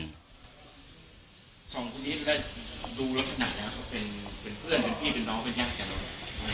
สองคู่นี้ดูลักษณะนะเขาเป็นเพื่อนเป็นพี่เป็นน้องเป็นย่างกันแล้ว